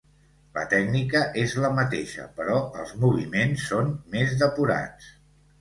La tècnica és la mateixa però els moviments són més depurats.